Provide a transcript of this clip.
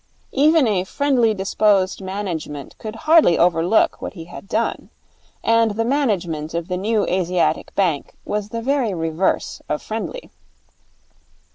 Even a friendly disposed management could hardly overlook what he had done. And the management of the New Asiatic Bank was the very reverse of friendly.